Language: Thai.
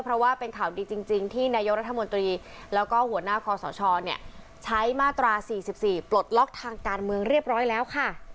เพราะว่าเป็นข่าวดีจริงที่นายกรัฐมนตรีแล้วก็หัวหน้าคอสชใช้มาตรา๔๔ปลดล็อกทางการเมืองเรียบร้อยแล้วค่ะ